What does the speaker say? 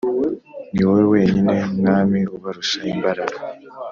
Ni wowe wenyine mwami ubarusha imbaraga